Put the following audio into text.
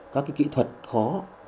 các kỹ thuật khó